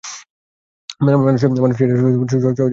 মানুষ এটা সহজে গ্রহণ করতে পারবে না।